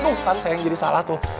aduh sampe saya yang jadi salah tuh